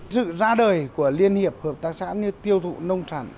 sự ra đời của liên hiệp hợp tác xã như tiêu thụ nông sản